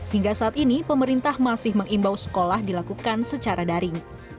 hingga saat ini pemerintah masih mengimbau sekolah dilakukan secara daring